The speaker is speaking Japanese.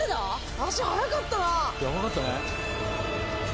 足速かったな。